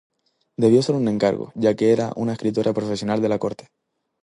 Debió ser un encargo ya que era una escritora profesional de la corte.